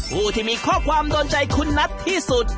ผู้ที่มีข้อความโดนใจคุณนัทที่สุด